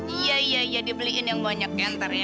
iya iya iya dia beliin yang banyak ya ntar ya